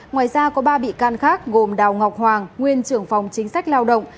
ngoài ra có ba bị can khác gồm đào ngọc hoàng nguyên trưởng phòng chính sách lao động